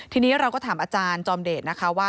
ทีนี้เราก็ถามอาจารย์จอมเดชนะคะว่า